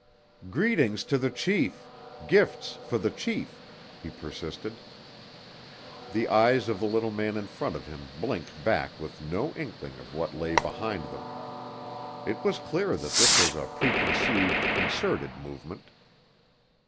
"Greetings to the chief. Gifts for the chief," he persisted. The eyes of the little man in front of him blinked back with no inkling of what lay behind them. It was clear that this was a preconceived, concerted movement.